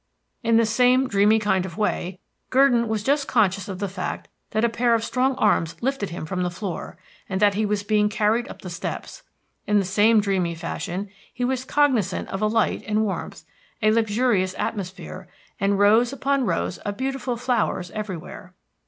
In the same dreamy kind of way, Gurdon was just conscious of the fact that a strong pair of arms lifted him from the floor, and that he was being carried up the steps. In the same dreamy fashion, he was cognisant of light and warmth, a luxurious atmosphere, and rows upon rows of beautiful flowers everywhere.